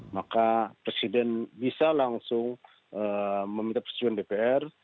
maka presiden bisa langsung meminta persetujuan dpr